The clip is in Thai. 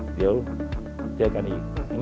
เดี๋ยวเจอกันอีก